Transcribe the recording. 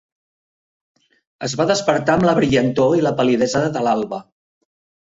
Es va despertar amb la brillantor i la pal·lidesa de l'alba.